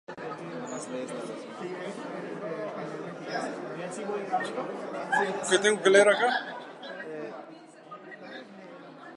El resultado fue satisfactorio.